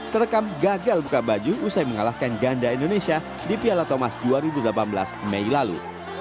terekam gagal buka baju usai mengalahkan ganda indonesia di piala thomas dua ribu delapan belas mei lalu